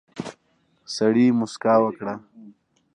سړي موسکا وکړه.